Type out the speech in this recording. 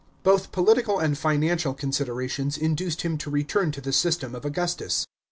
Both political and financial considerations induced him to return to the system of Augustus.